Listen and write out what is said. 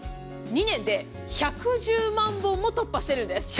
２年で１１０万本も突破しているんです。